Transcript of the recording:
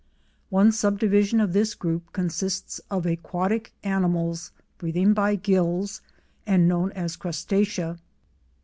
One subdivision of this group consists of aquatic animals, breathing by gills, and known as Crustacea.